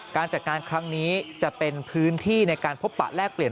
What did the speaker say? การจัดการครั้งนี้จะเป็นพื้นที่ในการพบปะแลกเปลี่ยน